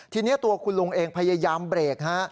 ทีนี้ตัวคุณลุงเองพยายามเบรกฮะ